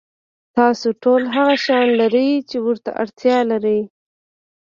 تاسو ټول هغه شیان لرئ چې ورته اړتیا لرئ.